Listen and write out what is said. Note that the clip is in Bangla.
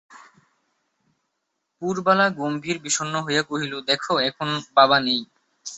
পুরবালা গম্ভীর বিষণ্ন হইয়া কহিল, দেখো, এখন বাবা নেই।